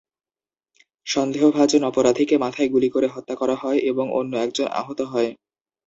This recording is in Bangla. সন্দেহভাজন অপরাধীকে মাথায় গুলি করে হত্যা করা হয় এবং অন্য একজন আহত হয়।